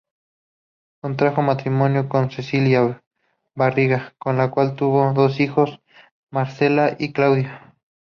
Contrajo matrimonio con Cecilia Barriga, con la cual tuvo dos hijos, Marcela y Claudio.